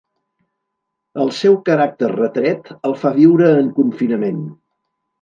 El seu caràcter retret el fa viure en confinament.